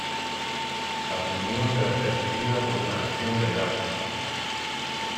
La comunión debe ser seguida por una acción de gracias.